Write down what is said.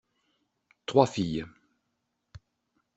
Trois filles.